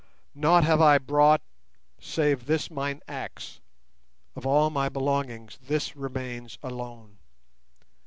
Nought have I brought save this mine axe; of all my belongings this remains alone.